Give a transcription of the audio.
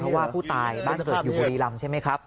เพราะว่าผู้ตายบ้านเกิดอยู่บุรีรำใช่ไหมครับ